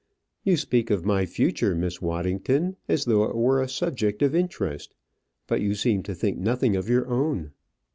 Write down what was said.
"You speak of my future, Miss Waddington, as though it were a subject of interest; but you seem to think nothing of your own."